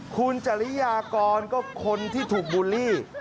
คุณจริยากรก็คนที่ถูกบูลลี่